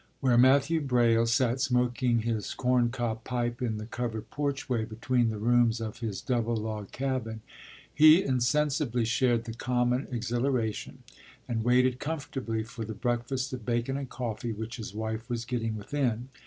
Where Matthew Braile sat smoking his corncob pipe in the covered porchway between the rooms of his double log cabin he insensibly shared the common exhilaration, and waited comfortably for the breakfast of bacon and coffee which his wife was getting within.